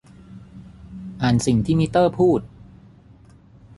อ่านสิ่งที่มิเตอร์พูด